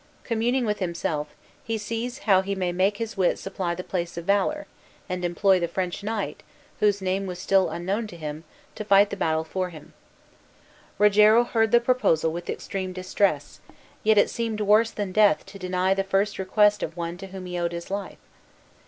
Communing with himself, he sees how he may make his wit supply the place of valor, and employ the French knight, whose name was still unknown to him, to fight the battle for him. Rogero heard the proposal with extreme distress; yet it seemed worse than death to deny the first request of one to whom he owed his life.